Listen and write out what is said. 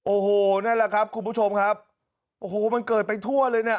โอ้โหนั่นแหละครับคุณผู้ชมครับโอ้โหมันเกิดไปทั่วเลยเนี่ย